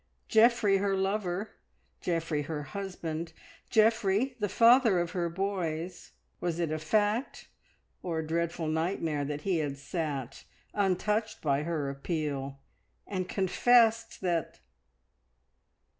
Geoffrey her lover, Geoffrey her husband, Geoffrey the father of her boys, was it a fact or a dreadful nightmare that he had sat, untouched by her appeal, and confessed that